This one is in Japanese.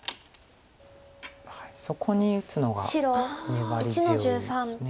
そこに打つのが粘り強いです。